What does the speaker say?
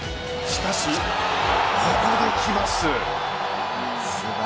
しかし、ここで来ます。